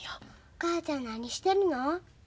お母ちゃん何してるの？